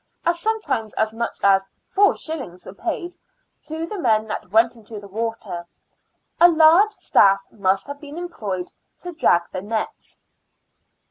As sometimes as much as 4s. were paid " to the men that went into the water," a large staff must have been employed to drag the nets.